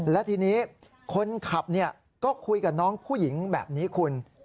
และทีนี้คนขับก็คุยกับน้องผู้หญิงแบบนี้คุณ